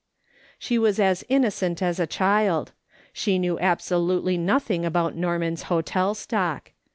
She was as innocent as a child. She knew abso lutely nothing about Norman's hotel stock.